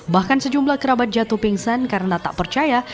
bahkan sejumlah kerabat jatuh pingsan karena tak percaya